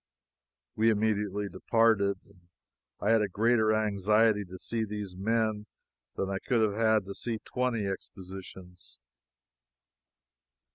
We immediately departed. I had a greater anxiety to see these men than I could have had to see twenty expositions.